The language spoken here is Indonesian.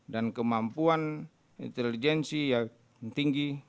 dan kemampuan intelijensi yang tinggi